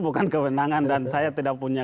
bukan kewenangan dan saya tidak punya